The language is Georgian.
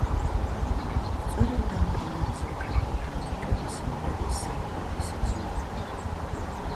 სწორედ ამ მდინარეზე გადიოდა ინკების იმპერიის სამხრეთი საზღვარი.